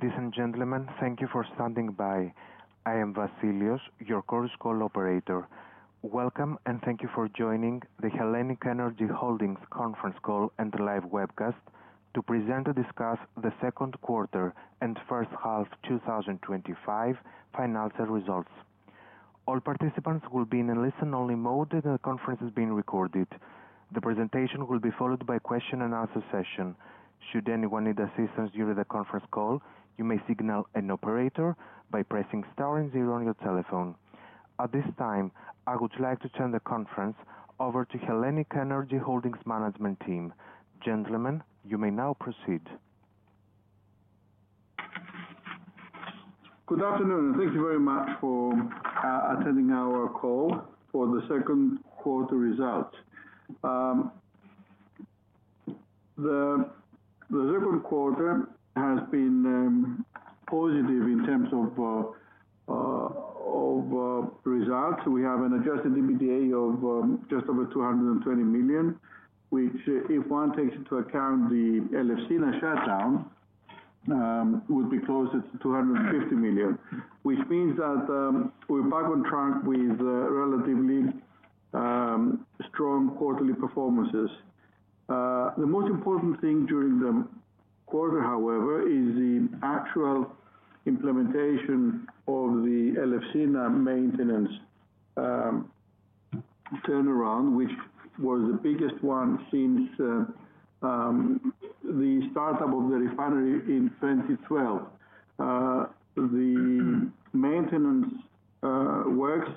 Ladies and gentlemen, thank you for standing by. I am Vasileios, your conference call operator. Welcome, and thank you for joining the HELLENiQ ENERGY Holdings S.A. Conference Call and the live webcast to present and discuss the second quarter and first half 2025 financial results. All participants will be in a listen-only mode, and the conference is being recorded. The presentation will be followed by a question-and-answer session. Should anyone need assistance during the conference call, you may signal an operator by pressing *0 on your telephone. At this time, I would like to turn the conference over to the HELLENiQ ENERGY Holdings S.A. Management team. Gentlemen, you may now proceed. Good afternoon, and thank you very much for attending our call on the second quarter results. The second quarter has been positive in terms of results. We have an adjusted EBITDA of just over €220 million, which, if one takes into account the Elefsina shutdown, would be closer to €250 million, which means that we're back on track with relatively strong quarterly performances. The most important thing during the quarter, however, is the actual implementation of the Elefsina maintenance turnaround, which was the biggest one since the startup of the refinery in 2012. The maintenance works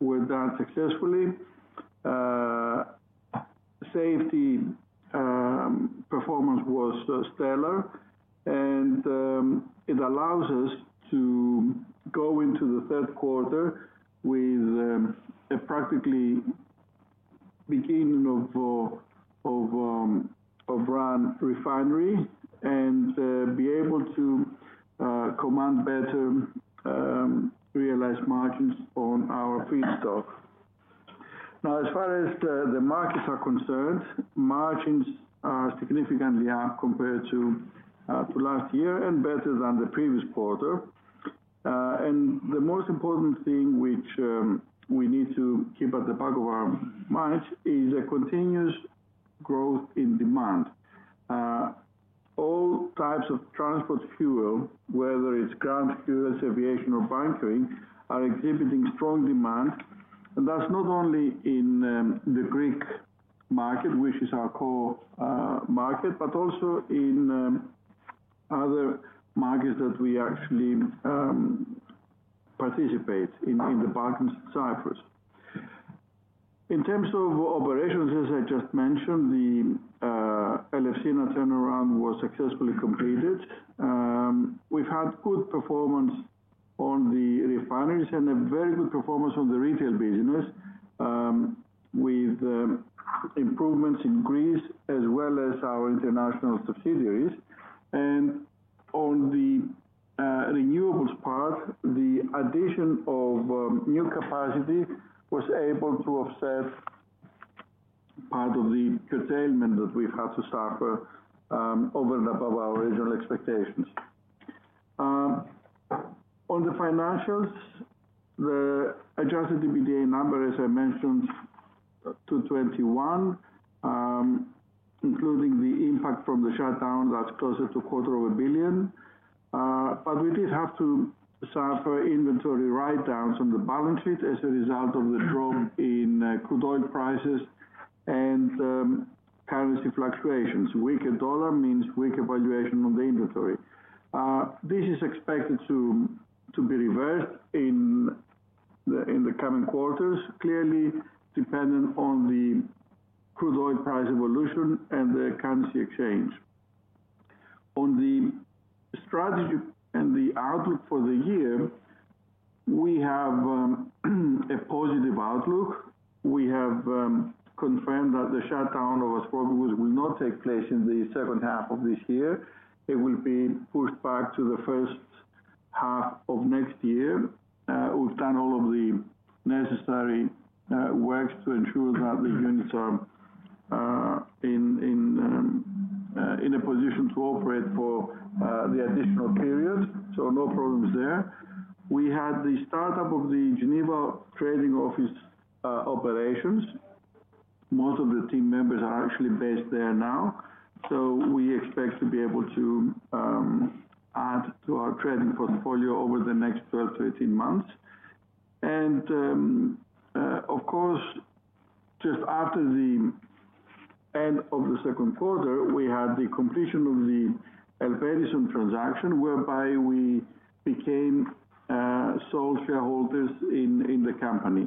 were done successfully. Safety performance was stellar, and it allows us to go into the third quarter with a practically beginning of run refinery and be able to command better, realize margins on our feedstock. Now, as far as the markets are concerned, margins are significantly up compared to last year and better than the previous quarter. The most important thing which we need to keep at the back of our minds is a continuous growth in demand. All types of transport fuel, whether it's ground fuels, aviation, or bunkering, are exhibiting strong demand. That's not only in the Greek market, which is our core market, but also in other markets that we actually participate in, in the Balkans and Cyprus. In terms of operations, as I just mentioned, the Elefsina turnaround was successfully completed. We've had good performance on the refineries and a very good performance on the retail business with improvements in Greece, as well as our international subsidiaries. On the renewables part, the addition of new capacity was able to offset part of the curtailment that we've had to suffer over and above our original expectations. On the financials, the adjusted EBITDA number, as I mentioned, €221 million, including the impact from the shutdown, that's closer to a quarter of a billion. We did have to suffer inventory write-downs on the balance sheet as a result of the drop in crude oil prices and currency fluctuations. Weaker dollar means weaker valuation of the inventory. This is expected to be reversed in the coming quarters, clearly dependent on the crude oil price evolution and the currency exchange. On the strategy and the outlook for the year, we have a positive outlook. We have confirmed that the shutdown of Oswego will not take place in the second half of this year. It will be pushed back to the first half of next year. We've done all of the necessary works to ensure that the units are in a position to operate for the additional period. No problems there. We had the startup of the Geneva trading office operations. Most of the team members are actually based there now. We expect to be able to add to our trading portfolio over the next 12 to 18 months. Just after the end of the second quarter, we had the completion of the ELPEDISON transaction, whereby we became sole shareholders in the company.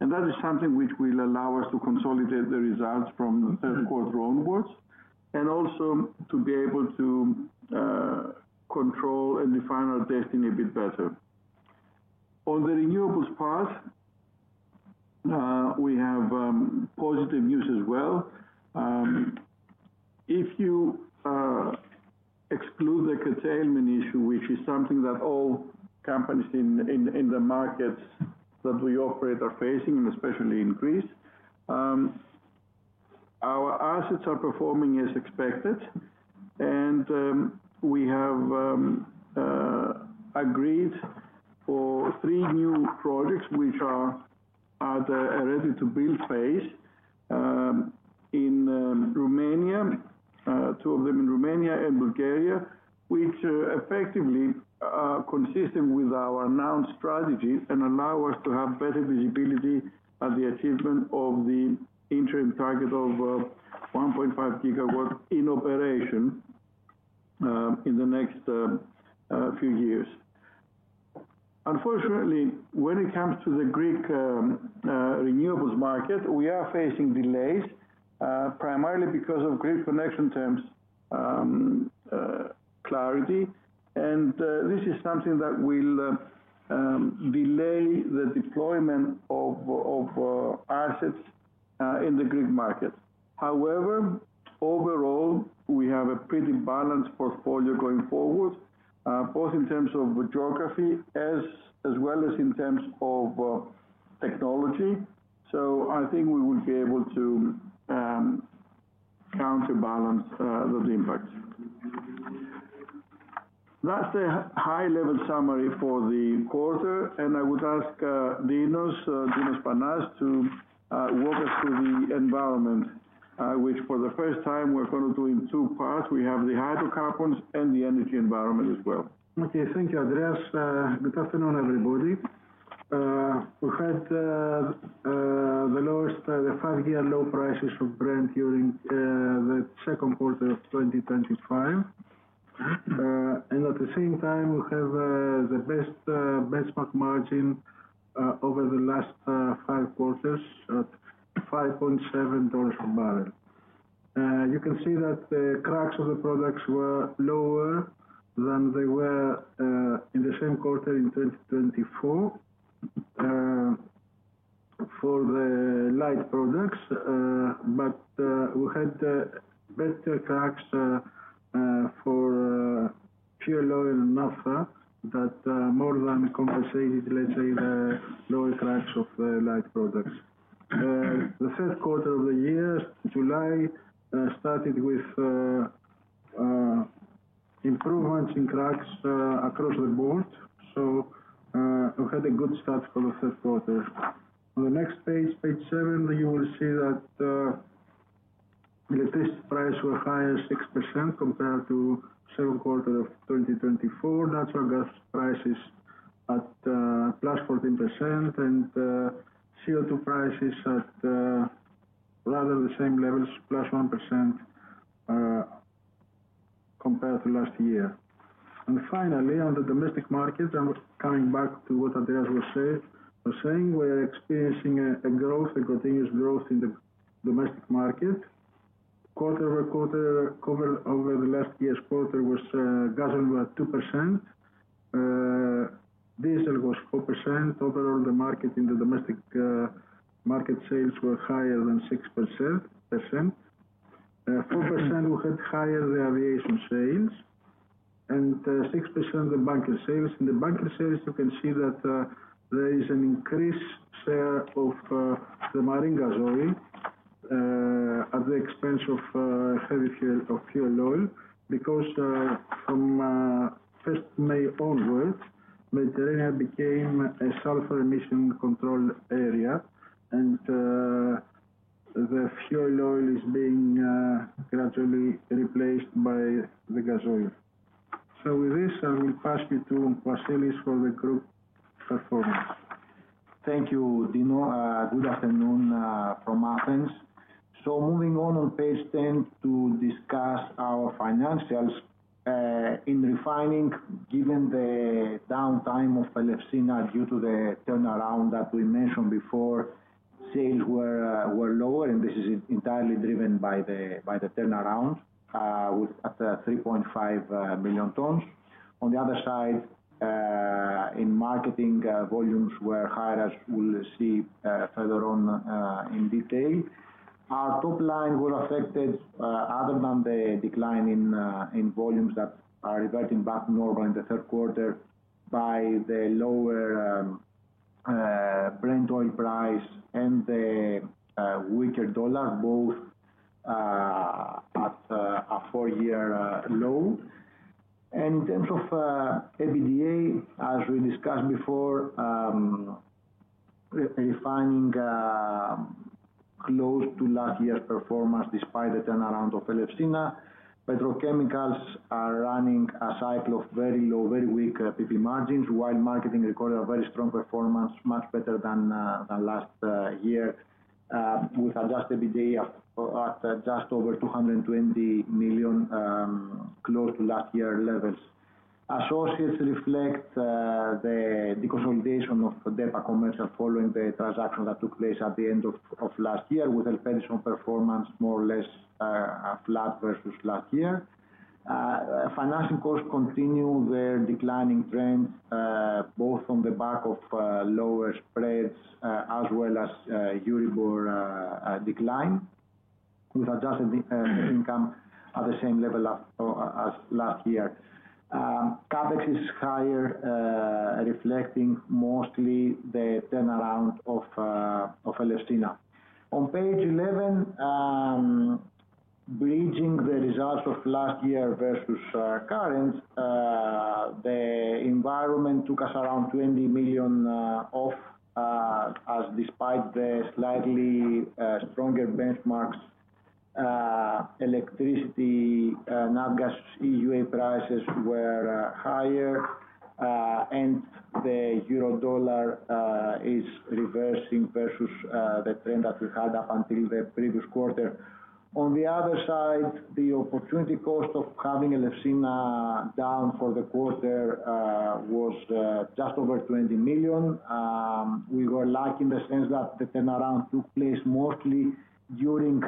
That is something which will allow us to consolidate the results from the third quarter onwards and also to be able to control and define our destiny a bit better. On the renewables part, we have positive news as well. If you exclude the curtailment issue, which is something that all companies in the markets that we operate are facing, and especially in Greece, our assets are performing as expected. We have agreed for three new projects, which are at a ready-to-build phase, two of them in Romania and Bulgaria, which effectively are consistent with our now strategy and allow us to have better visibility at the achievement of the interim target of 1.5 GW in operation in the next few years. Unfortunately, when it comes to the Greek renewables market, we are facing delays, primarily because of grid connection terms clarity. This is something that will delay the deployment of assets in the Greek market. However, overall, we have a pretty balanced portfolio going forward, both in terms of geography as well as in terms of technology. I think we will be able to counterbalance that impact. That's the high-level summary for the quarter. I would ask Dinos Panas to walk us through the environment, which for the first time we're going to do in two parts. We have the hydrocarbons and the energy environment as well. Okay. Thank you, Andreas. Good afternoon, everybody. We've had the lowest of the five-year low prices for Brent during the second quarter of 2025. At the same time, we have the best benchmark margin over the last five quarters at $5.07 per barrel. You can see that the cracks of the products were lower than they were in the same quarter in 2024 for the light products. We had the better cracks for fuel oil and naphtha that more than compensated, let's say, the lower cracks of the light products. The third quarter of the year, July, started with improvements in cracks across the board. We had a good start for the third quarter. On the next page, page seven, you will see that electricity prices were higher 6% compared to the second quarter of 2024. Natural gas prices at plus 14%, and CO2 prices at rather the same levels, plus 1% compared to last year. Finally, on the domestic market, I'm coming back to what Andreas was saying. We're experiencing a growth, a continuous growth in the domestic market. Quarter by quarter, covered over the last year's quarter, was gasoline was 2%. Diesel was 4%. Overall, the market in the domestic market sales were higher than 6%. 4% we had higher the aviation sales. 6% the bunker sales. In the bunker sales, you can see that there is an increased share of the marine gas oil at the expense of heavy fuel oil because from 1st May onwards, Mediterranean became a sulfur emission control area, and the fuel oil is being gradually replaced by the gas oil. With this, I will pass you to Vasilis for the group performance. Thank you, Dinos. Good afternoon from Athens. Moving on to page 10 to discuss our financials in refining, given the downtime of Elefsina due to the turnaround that we mentioned before. Sales were lower, and this is entirely driven by the turnaround. We're at 3.5 million tons. On the other side, in marketing, volumes were higher, as we'll see further on in detail. Our top line was affected, other than the decline in volumes that are reverting back to normal in the third quarter, by the lower Brent oil price and the weaker dollar, both at a four-year low. In terms of EBITDA, as we discussed before, refining is close to last year's performance despite the turnaround of Elefsina. Petrochemicals are running a cycle of very low, very weak PP margins, while marketing recorded a very strong performance, much better than last year, with adjusted EBITDA at just over €220 million, close to last year levels. Associates reflect the consolidation of the DEPA commercial following the transaction that took place at the end of last year, with ELPEDISON performance more or less flat versus last year. Financing costs continue their declining trend, both on the back of lower spreads as well as EURIBOR decline, with adjusted income at the same level as last year. CapEx is higher, reflecting mostly the turnaround of Elefsina. On page 11, bridging the results of last year versus current, the environment took us around €20 million off, as despite the slightly stronger benchmarks, electricity, naphtha gas, EUA prices were higher, and the euro/dollar is reversing versus the trend that we had up until the previous quarter. The opportunity cost of having Elefsina down for the quarter was just over €20 million. We were lucky in the sense that the turnaround took place mostly during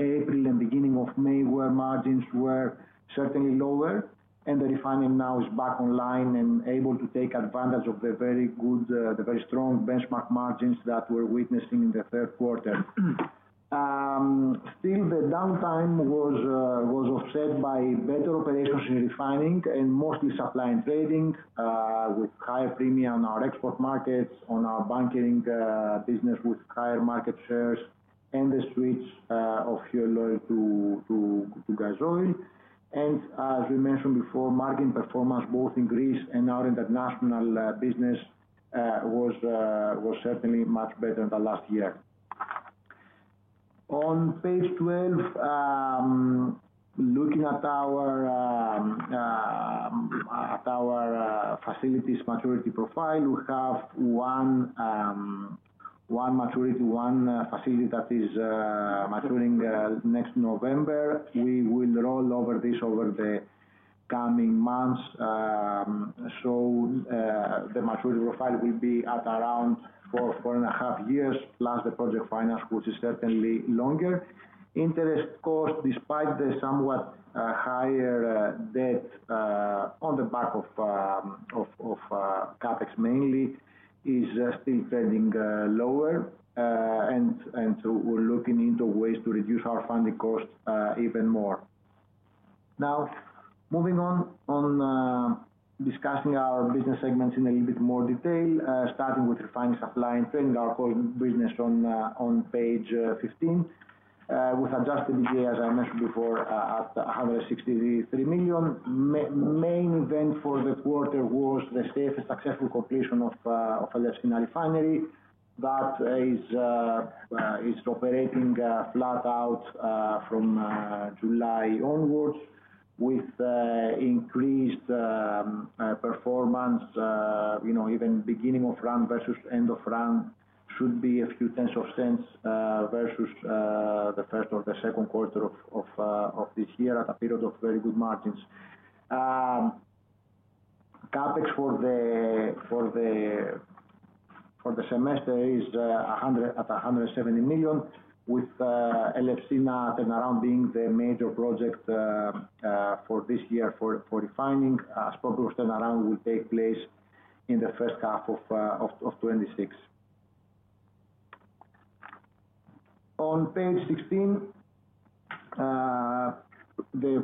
April and beginning of May, where margins were certainly lower. The refinery now is back online and able to take advantage of the very good, the very strong benchmark margins that we're witnessing in the third quarter. Still, the downtime was offset by better operations in refining and mostly supply and trading, with higher premium on our export markets, on our bunkering business with higher market shares, and the switch of fuel oil to gas oil. As we mentioned before, margin performance both in Greece and our international business was certainly much better than last year. On page 12, looking at our facilities maturity profile, we have one maturity, one facility that is maturing next November. We will roll over this over the coming months. The maturity profile will be at around 4.5 years, plus the project finance, which is certainly longer. Interest costs, despite the somewhat higher debt on the back of CapEx mainly, are still trading lower. We are looking into ways to reduce our funding costs even more. Now, moving on, discussing our business segments in a little bit more detail, starting with refining, supply, and trading, our core business on page 15, with adjusted EBITDA, as I mentioned before, at $163 million. The main event for the quarter was the successful completion of Elefsina refinery that is operating flat out from July onwards, with increased performance. Even beginning of run versus end of run should be a few tens of dollars versus the first or the second quarter of this year at a period of very good margins. CapEx for the semester is at $170 million, with Elefsina turnaround being the major project for this year for refining. A spot turnaround will take place in the first half of 2026. On page 16, the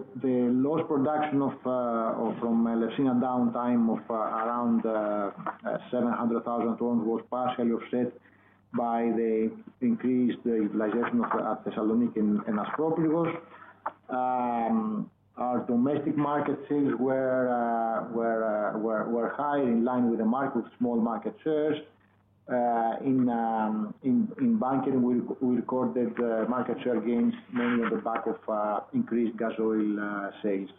lost production from Elefsina downtime of around 700,000 tons was partially offset by the increased utilization of Thessaloniki and Aspropyrgos. Our domestic market sales were high, in line with the market, with small market shares. In bunkering, we recorded market share gains, mainly on the back of increased gas oil sales.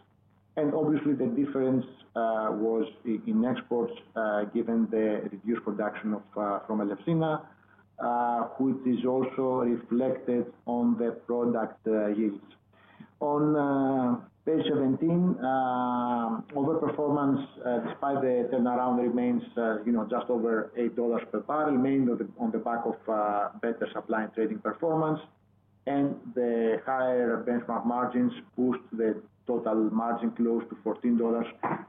Obviously, the difference was in exports, given the reduced production from Elefsina, which is also reflected on the product yields. On page 17, overperformance, despite the turnaround, remains just over $8 per barrel, remains on the back of better supply and trading performance. The higher benchmark margins pushed the total margin close to $14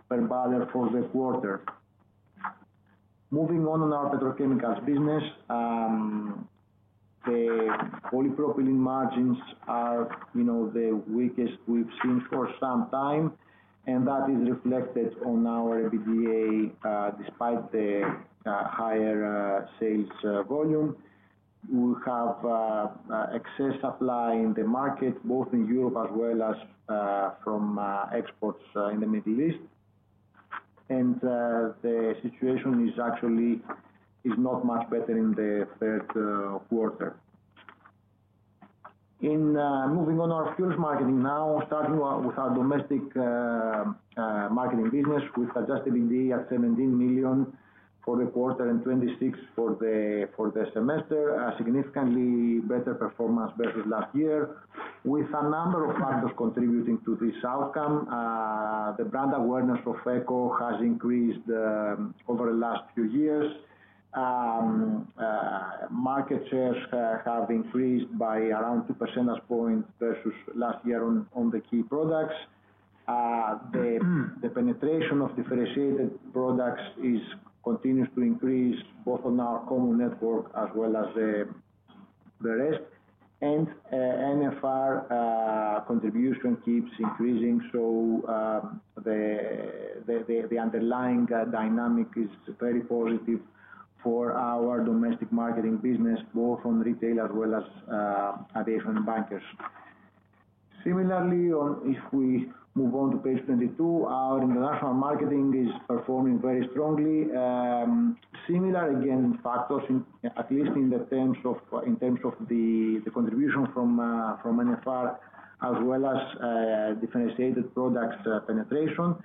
per barrel for the quarter. Moving on, on our petrochemicals business, the polypropylene margins are the weakest we've seen for some time. That is reflected on our EBITDA, despite the higher sales volume. We have excess supply in the market, both in Europe as well as from exports in the Middle East. The situation actually is not much better in the third quarter. Moving on our fuels marketing now, I'll start with our domestic marketing business, with adjusted EBITDA at €17 million for the quarter and €26 million for the semester, a significantly better performance versus last year, with a number of factors contributing to this outcome. The brand awareness for FECO has increased over the last few years. Market shares have increased by around 2% versus last year on the key products. The penetration of differentiated products continues to increase, both on our common network as well as the rest. NFR contribution keeps increasing. The underlying dynamic is very positive for our domestic marketing business, both on retail as well as aviation and bunkering. Similarly, if we move on to page 22, our international marketing is performing very strongly. Similar, again, factors at least in terms of the contribution from NFR as well as differentiated products penetration.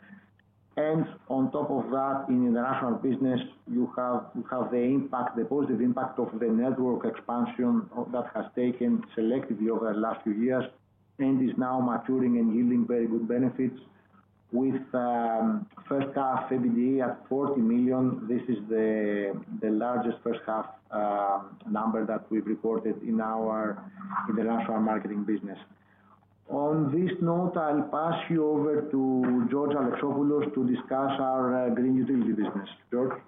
On top of that, in the international business, you have the positive impact of the network expansion that has taken place selectively over the last few years and is now maturing and yielding very good benefits. With first half EBITDA at €40 million, this is the largest first half number that we've recorded in our international marketing business. On this note, I'll pass you over to George Alexopoulos to discuss our green utility business. George?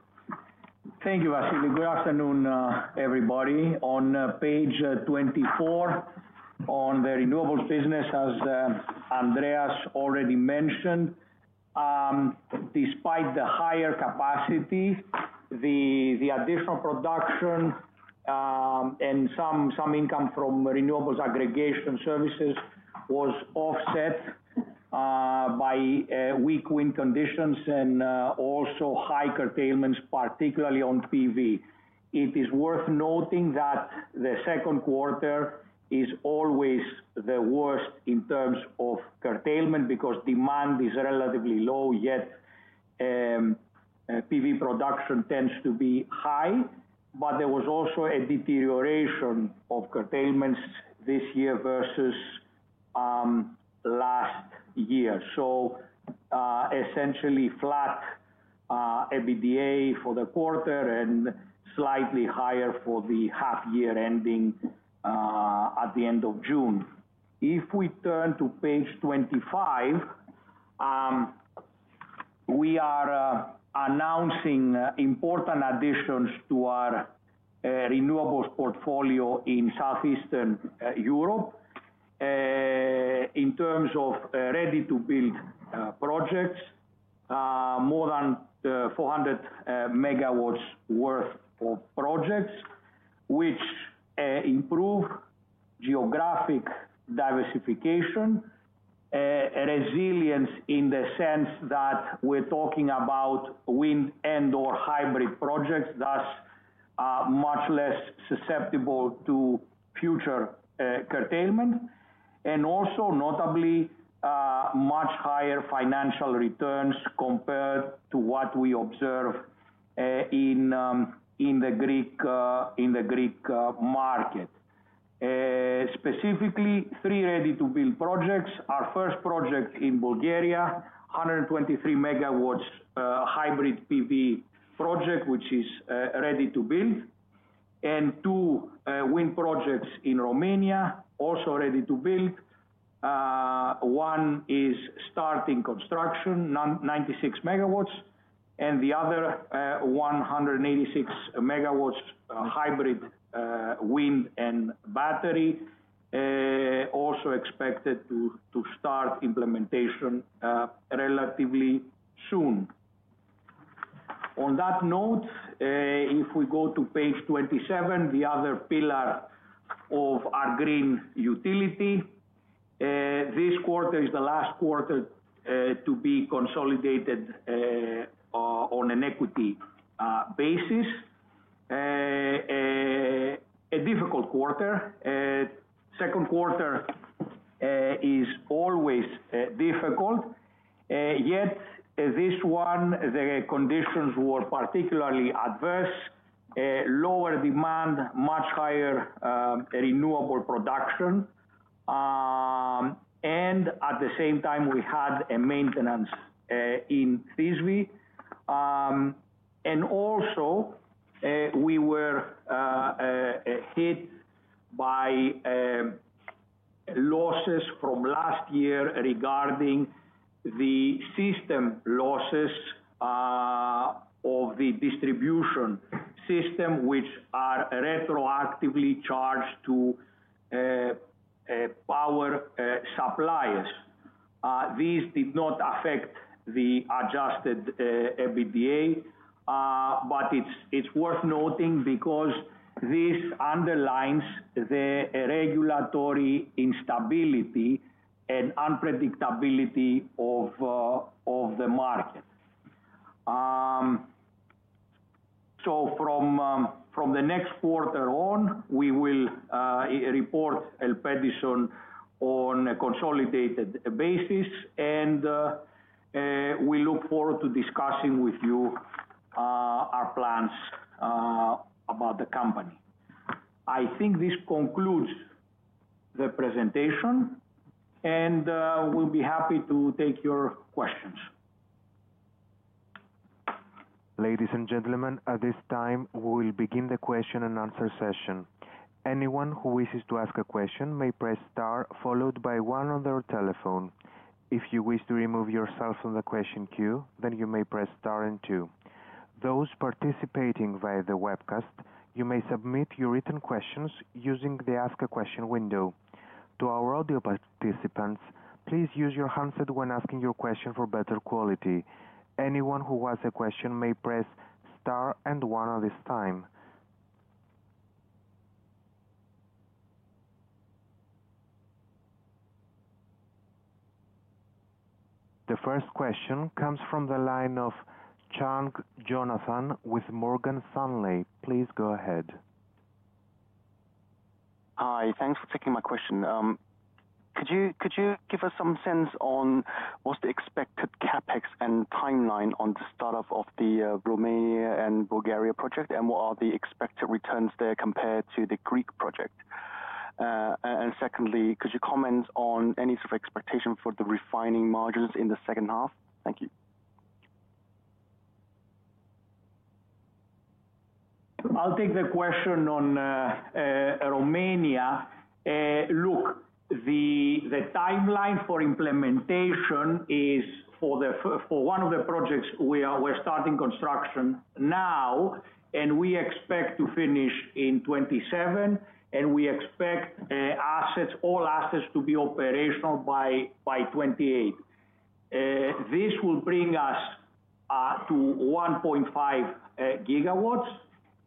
Thank you, Vasilis. Good afternoon, everybody. On page 24, on the renewables business, as Andreas already mentioned, despite the higher capacity, the additional production and some income from renewables aggregation services was offset by weak wind conditions and also high curtailments, particularly on PV. It is worth noting that the second quarter is always the worst in terms of curtailment because demand is relatively low, yet PV production tends to be high. There was also a deterioration of curtailments this year versus last year. Essentially flat EBITDA for the quarter and slightly higher for the half-year ending at the end of June. If we turn to page 25, we are announcing important additions to our renewables portfolio in Southeastern Europe in terms of ready-to-build projects, more than 400 MW worth of projects, which improve geographic diversification, resilience in the sense that we're talking about wind and/or hybrid projects that are much less susceptible to future curtailment, and also notably much higher financial returns compared to what we observe in the Greek market. Specifically, three ready-to-build projects: our first project in Bulgaria, 123 MW hybrid PV project, which is ready to build, and two wind projects in Romania, also ready to build. One is starting construction, 96 MW, and the other, 186 MW hybrid wind and battery, also expected to start implementation relatively soon. If we go to page 27, the other pillar of our green utility, this quarter is the last quarter to be consolidated on an equity basis. A difficult quarter. The second quarter is always difficult. This one, the conditions were particularly adverse, lower demand, much higher renewable production. At the same time, we had a maintenance in Thesby. We were hit by losses from last year regarding the system losses of the distribution system, which are retroactively charged to power suppliers. These did not affect the adjusted EBITDA, but it's worth noting because this underlines the regulatory instability and unpredictability of the market. From the next quarter on, we will report ELPEDISON on a consolidated basis, and we look forward to discussing with you our plans about the company. I think this concludes the presentation, and we'll be happy to take your questions. Ladies and gentlemen, at this time, we will begin the question-and-answer session. Anyone who wishes to ask a question may press star, followed by one on their telephone. If you wish to remove yourself from the question queue, then you may press star and two. Those participating via the webcast, you may submit your written questions using the ask a question window. To our audio participants, please use your handset when asking your question for better quality. Anyone who wants a question may press star and one at this time. The first question comes from the line of Chung Jonathan with Morgan Stanley. Please go ahead. Hi. Thanks for taking my question. Could you give us some sense on what's the expected CapEx and timeline on the startup of the Romania and Bulgaria project, and what are the expected returns there compared to the Greek project? Could you comment on any sort of expectation for the refining margins in the second half? Thank you. I'll take the question on Romania. Look, the timeline for implementation is for one of the projects we are starting construction now, and we expect to finish in 2027. We expect all assets to be operational by 2028. This will bring us to 1.5 GWs.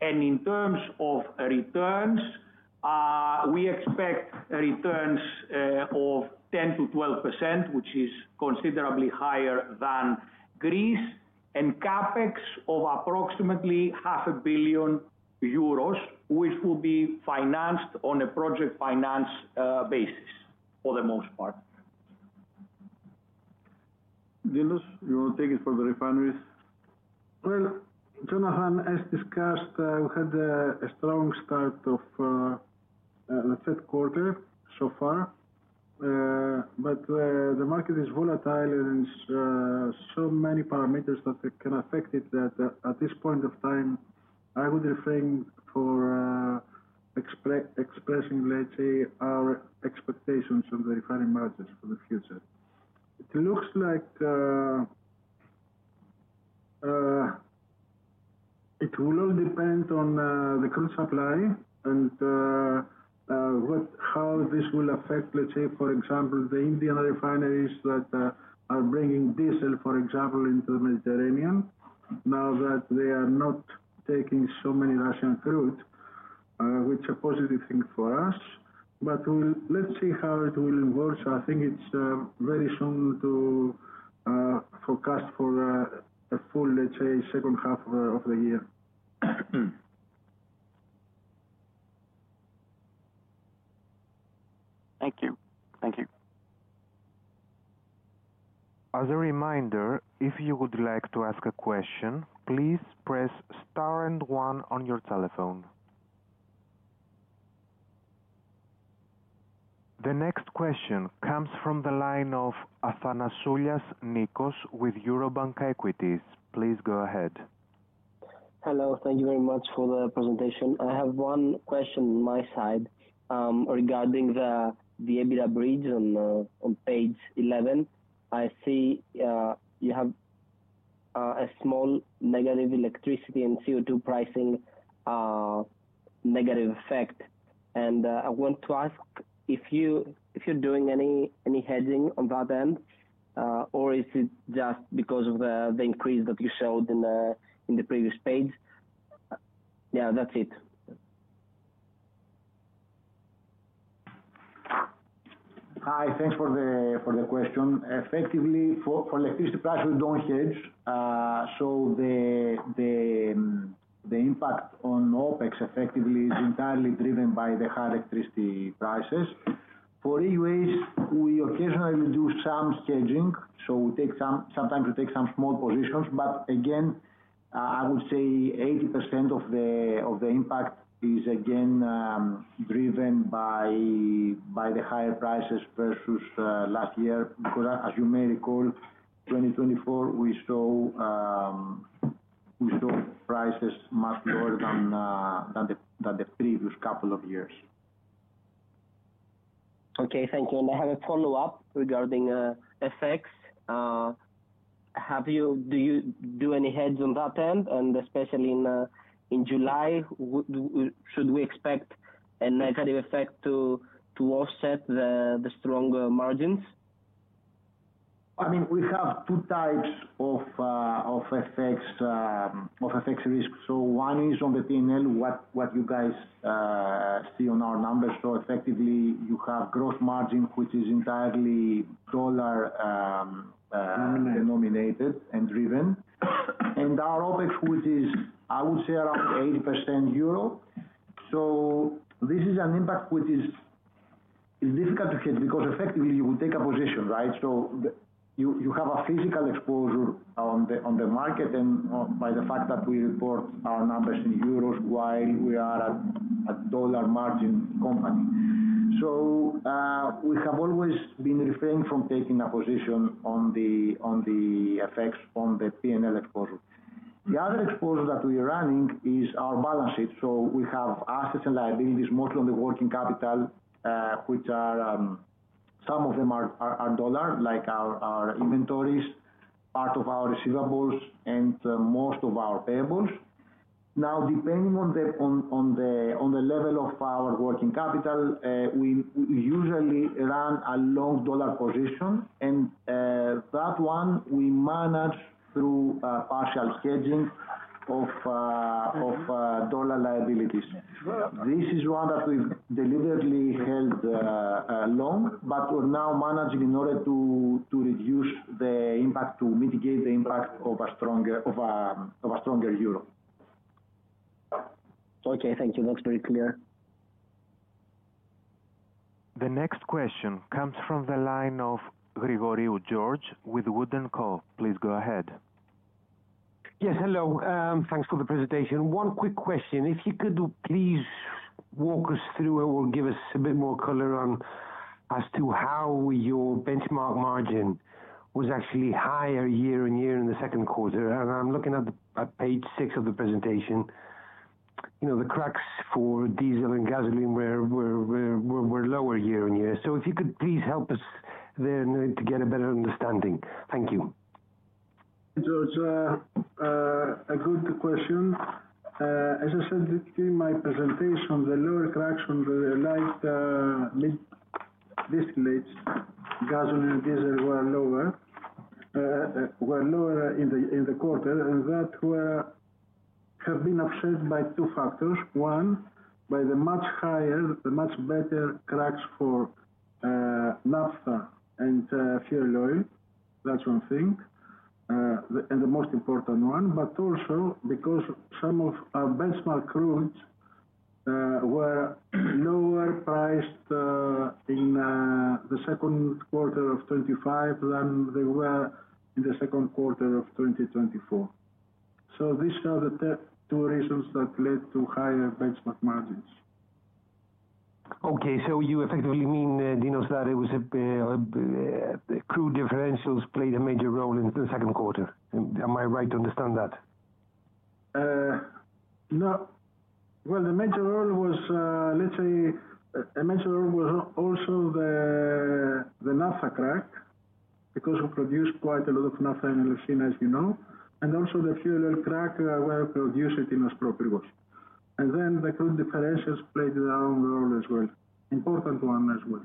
In terms of returns, we expect returns of 10%-12%, which is considerably higher than Greece, and CapEx of approximately €0.5 billion, which will be financed on a project finance basis for the most part. Dinos, you want to take it for the refineries? Jonathan, as discussed, we had a strong start of the third quarter so far. The market is volatile and there are so many parameters that can affect it that at this point of time, I would refrain from expressing, let's say, our expectations on the refining margins for the future. It looks like it will all depend on the current supply and how this will affect, let's say, for example, the Indian refineries that are bringing diesel, for example, into the Mediterranean, now that they are not taking so many Russian crude, which is a positive thing for us. Let's see how it will evolve. I think it's very soon to forecast for a full, let's say, second half of the year. Thank you. Thank you. As a reminder, if you would like to ask a question, please press star and one on your telephone. The next question comes from the line of Nikos Athanasioulas with Eurobank Equities. Please go ahead. Hello. Thank you very much for the presentation. I have one question on my side regarding the EBITDA bridge on page 11. I see you have a small negative electricity and CO2 pricing negative effect. I want to ask if you're doing any hedging on that end, or is it just because of the increase that you showed in the previous page. Yeah, that's it. Hi. Thanks for the question. Effectively, for electricity prices, we don't hedge. The impact on OpEx effectively is entirely driven by the high electricity prices. For EUAs, we occasionally do some hedging. We take, sometimes we take some small positions. I would say 80% of the impact is again driven by the higher prices versus last year. As you may recall, 2024, we saw prices much lower than the previous couple of years. Okay. Thank you. I have a follow-up regarding FX. Do you do any hedge on that end? Especially in July, should we expect a negative effect to offset the stronger margins? I mean, we have two types of FX risks. One is on the P&L, what you guys see on our numbers. Effectively, you have gross margin, which is entirely dollar denominated and driven, and our OpEx, which is, I would say, around 80% euro. This is an impact which is difficult to hedge because, effectively, you would take a position, right? You have a physical exposure on the market and by the fact that we report our numbers in euros while we are a dollar margin company. We have always been refrained from taking a position on the FX, on the P&L exposure. The other exposure that we are running is our balance sheet. We have assets and liabilities, mostly on the working capital, which are, some of them are dollar, like our inventories, part of our receivables, and most of our payables. Now, depending on the level of our working capital, we usually run a long dollar position. That one, we manage through partial hedging of dollar liabilities. This is one that we've deliberately held long, but we're now managing in order to reduce the impact, to mitigate the impact of a stronger euro. Okay, thank you. That's very clear. The next question comes from the line of George Grigoriou with Wood & Co Please go ahead. Yes. Hello. Thanks for the presentation. One quick question. If you could please walk us through or give us a bit more color on as to how your benchmark margin was actually higher year on year in the second quarter. I'm looking at page six of the presentation. You know the cracks for diesel and gasoline were lower year on year. If you could please help us there to get a better understanding. Thank you. George, a good question. As I said in my presentation, the lower cracks on the nice distillates, gasoline, and diesel were lower in the quarter. That could have been offset by two factors. One, by the much higher, the much better cracks for naphtha and fuel oil. That's one thing, and the most important one. Also, because some of our benchmark crudes were lower priced in the second quarter of 2025 than they were in the second quarter of 2024. These are the two reasons that led to higher benchmark margins. Okay, you effectively mean, Dinos, that it was crude differentials played a major role in the second quarter. Am I right to understand that? No, the major role was, let's say, a major role was also the naphtha crack because we produced quite a lot of naphtha in Elefsina, as you know. Also, the fuel oil crack where we produced it in Aspropyrgos. The current differentials played their own role as well, an important one as well.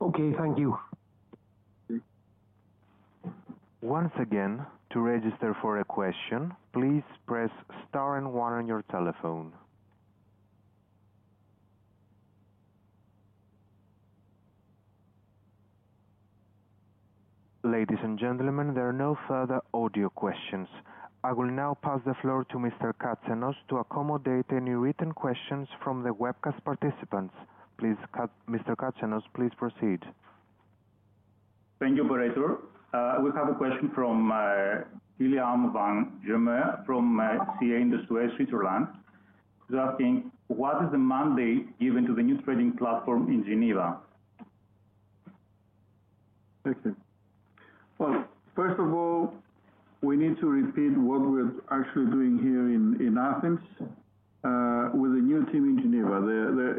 Okay, thank you. Once again, to register for a question, please press star and one on your telephone. Ladies and gentlemen, there are no further audio questions. I will now pass the floor to Mr. Katsenos to accommodate any written questions from the webcast participants. Please, Mr. Katsenos, please proceed. Thank you, operator. We have a question from William van [Germeer] from CA Industries, Switzerland, who's asking, what is the mandate given to the new trading platform in Geneva? Thank you. First of all, we need to repeat what we're actually doing here in Athens with the new team in Geneva.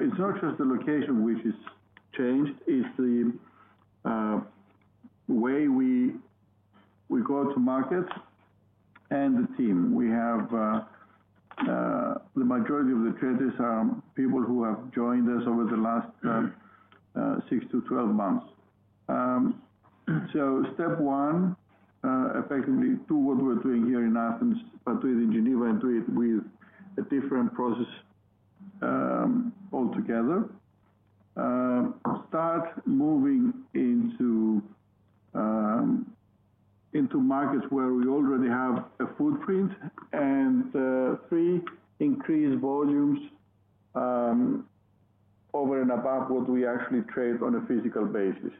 It's not just the location which has changed, it's the way we go to markets and the team. The majority of the traders are people who have joined us over the last 6 to 12 months. Step one, effectively, do what we're doing here in Athens, but do it in Geneva and do it with a different process altogether. Start moving into markets where we already have a footprint, and increase volumes over and above what we actually trade on a physical basis.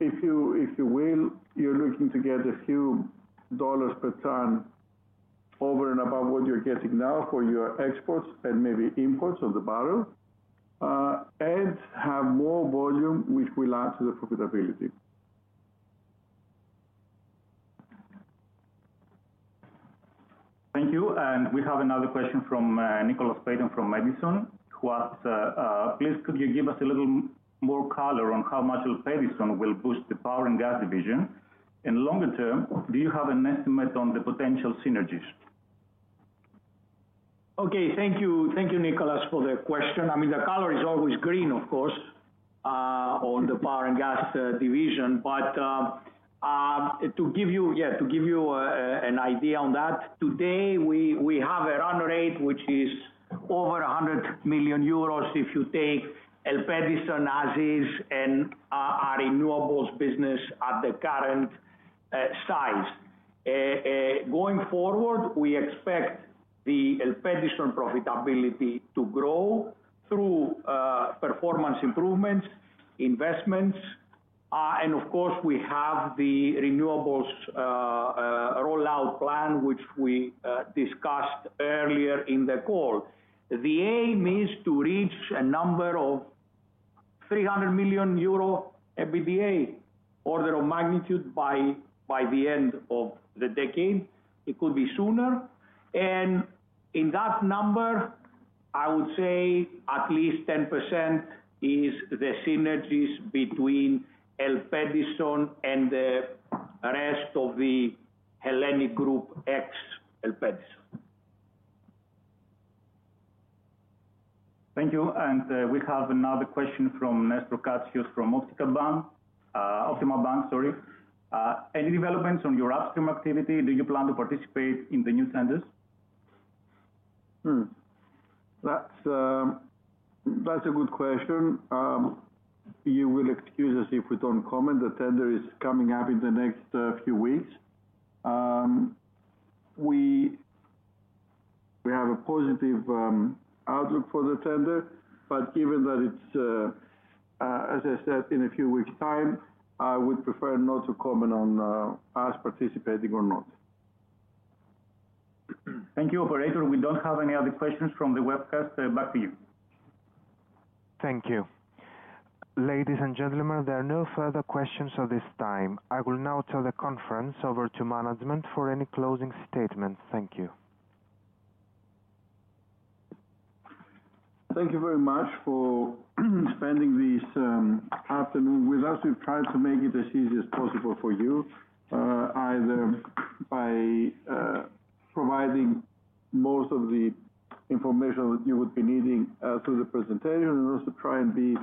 If you will, you're looking to get a few dollars per ton over and above what you're getting now for your exports and maybe imports of the barrel and have more volume, which will add to the profitability. Thank you. We have another question from Nicholas Peyton from Edison, who asks, please could you give us a little more color on how much ELPEDISON will push the power and gas division? Longer term, do you have an estimate on the potential synergies? Okay. Thank you. Thank you, Nicholas, for the question. I mean, the color is always green, of course, on the power and gas division. To give you an idea on that, today, we have a run rate, which is over €100 million if you take ELPEDISON as is and our renewables business at the current size. Going forward, we expect the ELPEDISON profitability to grow through performance improvements, investments. Of course, we have the renewables rollout plan, which we discussed earlier in the call. The aim is to reach a number of €300 million EBITDA, order of magnitude, by the end of the decade. It could be sooner. In that number, I would say at least 10% is the synergies between ELPEDISON and the rest of the HELLENiQ ENERGY Group ex ELPEDISON. Thank you. We have another question from [Nespricatius] from Optima Bank. Any developments on your Optima activity? Do you plan to participate in the new tenders? That's a good question. You will excuse us if we don't comment. The tender is coming up in the next few weeks. We have a positive outlook for the tender. Given that it's, as I said, in a few weeks' time, I would prefer not to comment on us participating or not. Thank you, operator. We don't have any other questions from the webcast. Back to you. Thank you. Ladies and gentlemen, there are no further questions at this time. I will now turn the conference over to management for any closing statements. Thank you. Thank you very much for spending this afternoon with us. We've tried to make it as easy as possible for you, either by providing most of the information that you would be needing through the presentation and also try and be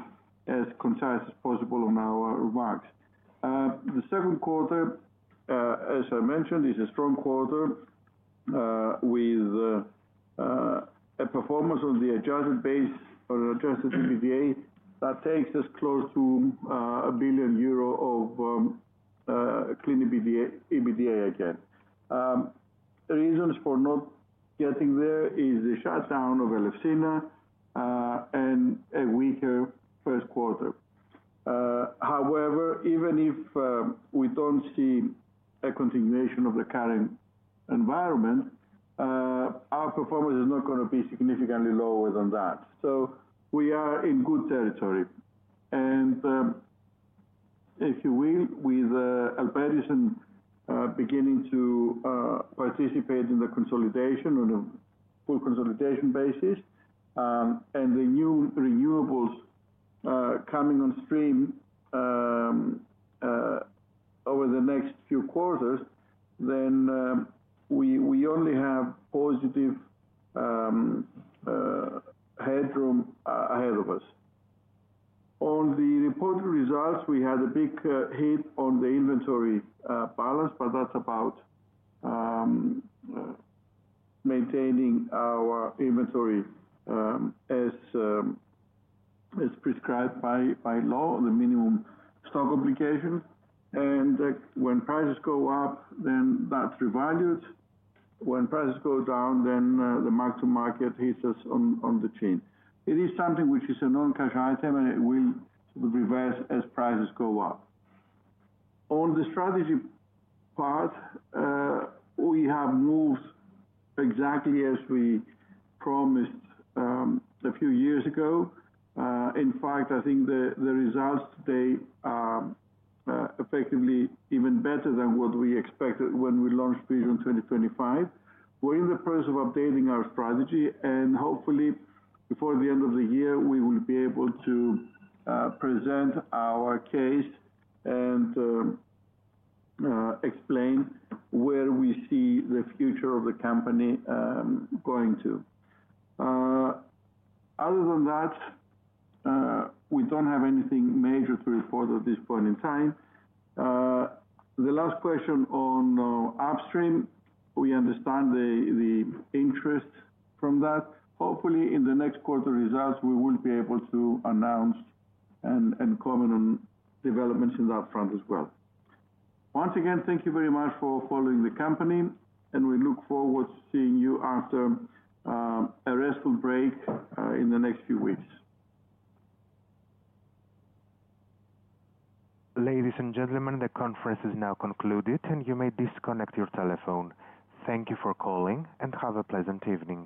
as concise as possible on our remarks. The second quarter, as I mentioned, is a strong quarter with a performance on the adjusted base on an adjusted EBITDA that takes us close to €1 billion of clean EBITDA again. Reasons for not getting there is the shutdown of Elefsina and a weaker first quarter. However, even if we don't see a continuation of the current environment, our performance is not going to be significantly lower than that. We are in good territory. With ELPEDISON beginning to participate in the consolidation on a full consolidation basis and the new renewables coming on stream over the next few quarters, we only have positive headroom ahead of us. On the reporting results, we had a big hit on the inventory balance, but that's about maintaining our inventory as prescribed by law, the minimum stock obligation. When prices go up, that revalues. When prices go down, the mark-to-market hits us on the chin. It is something which is a non-cash item, and it will reverse as prices go up. On the strategy part, we have moved exactly as we promised a few years ago. In fact, I think the results today are effectively even better than what we expected when we launched Vision 2025. We're in the process of updating our strategy. Hopefully, before the end of the year, we will be able to present our case and explain where we see the future of the company going to. Other than that, we don't have anything major to report at this point in time. The last question on upstream, we understand the interest from that. Hopefully, in the next quarter results, we will be able to announce and comment on developments in that front as well. Once again, thank you very much for following the company, and we look forward to seeing you after a restful break in the next few weeks. Ladies and gentlemen, the conference is now concluded, and you may disconnect your telephone. Thank you for calling, and have a pleasant evening.